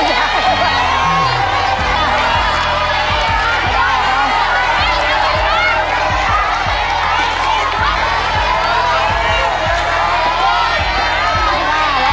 ต้องเร็วอีกค่ะ